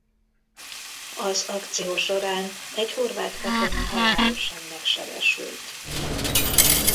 Az akció során egy horvát katona halálosan megsebesült.